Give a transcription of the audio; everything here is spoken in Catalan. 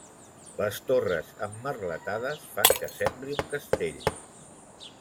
Les torres emmerletades fan que sembli un castell.